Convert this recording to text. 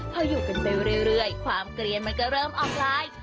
พออยู่กันไปเรื่อยความเกลียนมันก็เริ่มออนไลน์